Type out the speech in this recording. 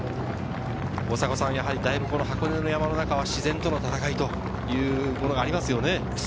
だいぶ箱根の山の中は自然との戦いというのがありますね。